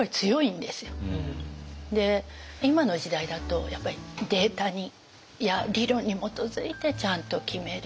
今の時代だとやっぱりデータや理論に基づいてちゃんと決める。